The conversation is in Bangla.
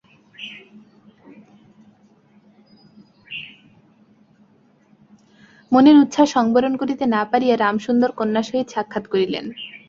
মনের উচ্ছ্বাস সংবরণ করিতে না পারিয়া রামসুন্দর কন্যার সহিত সাক্ষাৎ করিলেন।